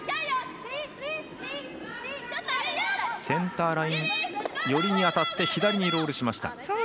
センターライン寄りに当たって左にロールしました。